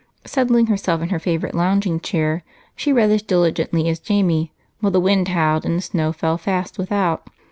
Settling herself in her favorite lounging chair, she read as diligently as Jamie while the wind howled and snow fell fast without.